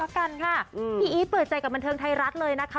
พี่อีทเปิดใจกับบันเทิงไทยรัฐเลยนะคะ